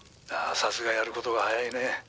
「さすがやる事が早いね。